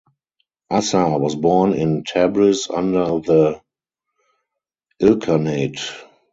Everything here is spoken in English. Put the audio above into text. Assar was born in Tabriz under the Ilkhanate.